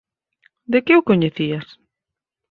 De que o coñecías?